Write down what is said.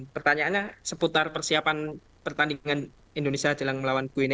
pertanyaannya seputar persiapan pertandingan indonesia jelang melawan gue ini